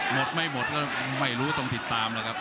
หมดไม่หมดก็ไม่รู้ต้องติดตามแล้วครับ